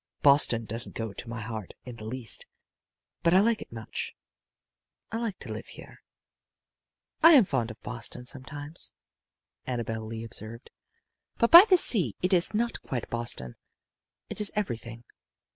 Boston doesn't go to my heart in the least, but I like it much. I like to live here." "I am fond of Boston sometimes," Annabel Lee observed. "Here by the sea it is not quite Boston. It is everything.